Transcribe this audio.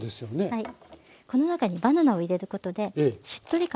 はい。